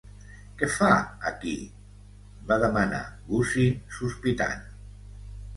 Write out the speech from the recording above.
"Què fa aquí?" va demanar Gussie sospitant.